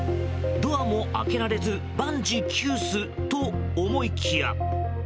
ドアも開けられず万事休すと思いきや。